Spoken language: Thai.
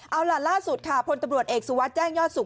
เอาล่ะล่าสุดค่ะพลตำรวจเอกสุวัสดิ์แจ้งยอดสุข